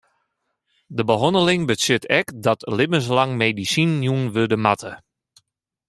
De behanneling betsjut ek dat libbenslang medisinen jûn wurde moatte.